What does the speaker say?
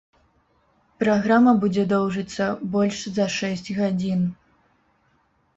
Праграма будзе доўжыцца больш за шэсць гадзін.